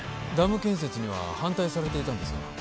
ダム建設には反対されていたんですか？